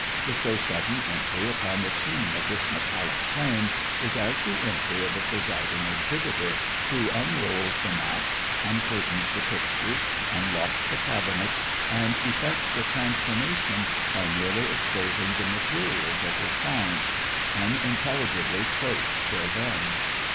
The so sudden entry upon the scene of this metallic flame is as the entry of a presiding exhibitor who unrolls the maps, uncurtains the pictures, unlocks the cabinets, and effects a transformation by merely exposing the materials of his science, unintelligibly cloaked till then.